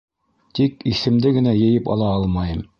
Тик иҫемде генә йыйып ала алмайым.